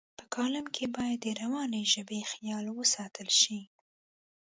په کالم کې باید د روانې ژبې خیال وساتل شي.